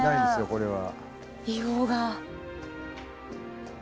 これは。